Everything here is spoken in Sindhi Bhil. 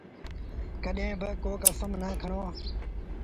ڪڏهيݩ با ڪو ڪسم نا کڻو۔